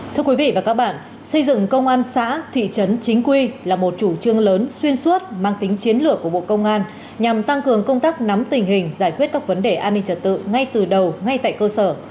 thưa quý vị và các bạn xây dựng công an xã thị trấn chính quy là một chủ trương lớn xuyên suốt mang tính chiến lược của bộ công an nhằm tăng cường công tác nắm tình hình giải quyết các vấn đề an ninh trật tự ngay từ đầu ngay tại cơ sở